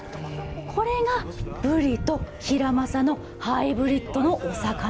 これがブリとヒラマサのハイブリッドのお魚。